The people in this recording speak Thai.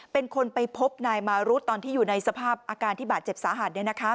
เป็นคนไปพบนายมารุดตอนที่อยู่ในสภาพอาการที่บาดเจ็บสาหัส